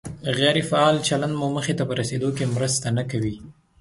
غیر فعال چلند مو موخې ته په رسېدو کې مرسته نه کوي.